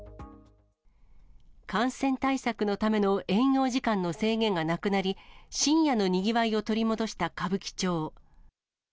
感染対策のための営業時間の制限がなくなり、深夜のにぎわいを取り戻した歌舞伎町。